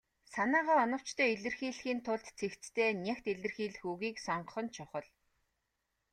Санаагаа оновчтой илэрхийлэхийн тулд цэгцтэй, нягт илэрхийлэх үгийг сонгох нь чухал.